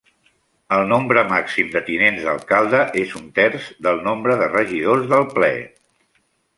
El nombre màxim de tinents d'alcalde és un terç del nombre de regidors del Ple.